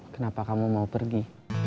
kenapa kamu mau pergi